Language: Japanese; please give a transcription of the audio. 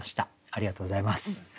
ありがとうございます。